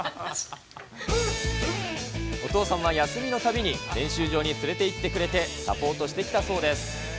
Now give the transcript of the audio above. お父さんは休みのたびに練習場に連れて行ってくれて、サポートしてきたそうです。